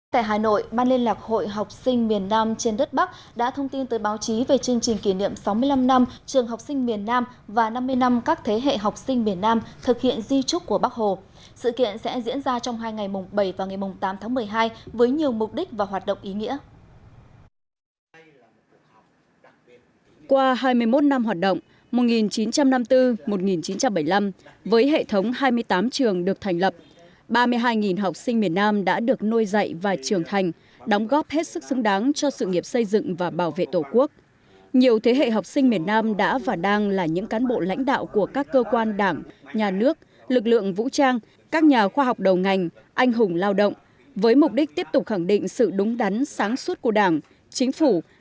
tại hà nội ban liên lạc hội học sinh miền nam trên đất bắc đã thông tin tới báo chí về chương trình kỷ niệm sáu mươi năm năm trường học sinh miền nam và năm mươi năm các thế hệ học sinh miền nam thực hiện di trúc của bắc hồ